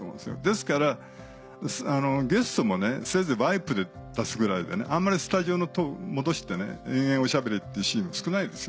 ですからゲストもせいぜいワイプで出すぐらいであんまりスタジオのトーク戻して延々おしゃべりってシーンは少ないですよね。